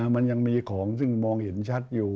มันยังมีของซึ่งมองเห็นชัดอยู่